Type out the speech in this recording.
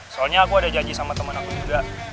soalnya aku ada janji sama teman aku juga